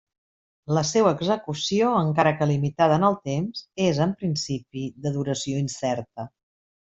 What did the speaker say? La seua execució, encara que limitada en el temps, és en principi de duració incerta.